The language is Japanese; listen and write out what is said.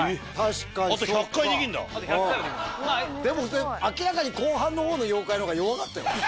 でも明らかに後半の方の妖怪の方が弱かったよ。